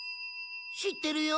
知ってるよ。